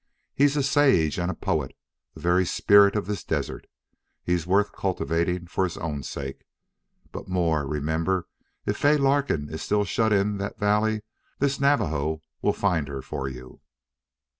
He's a sage and a poet the very spirit of this desert. He's worth cultivating for his own sake. But more remember, if Fay Larkin is still shut in that valley the Navajo will find her for you."